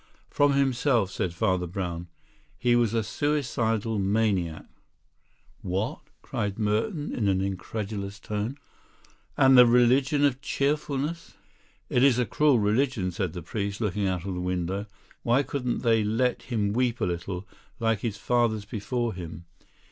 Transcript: "From himself," said Father Brown. "He was a suicidal maniac." "What?" cried Merton in an incredulous tone. "And the Religion of Cheerfulness " "It is a cruel religion," said the priest, looking out of the window. "Why couldn't they let him weep a little, like his fathers before him?